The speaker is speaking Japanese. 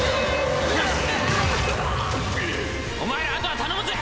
お前らあとは頼むぜ！